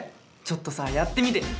ちょっとさやってみてよ。